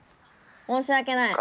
申し訳ない！